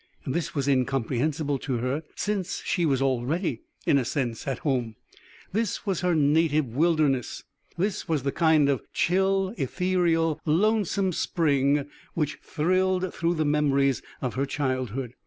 This was incomprehensible to her, since she was already, in a sense, at home. This was her native wilderness, this was the kind of chill, ethereal, lonesome spring which thrilled through the memories of her childhood.